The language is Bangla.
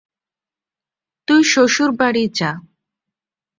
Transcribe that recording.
তুই শ্বশুরবাড়ি যা।